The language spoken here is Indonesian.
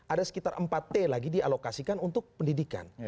ada sekitar empat t lagi dialokasikan untuk pendidikan